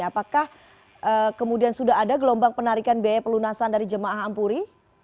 apakah kemudian sudah ada gelombang penarikan biaya pelunasan dari jemaah ampuri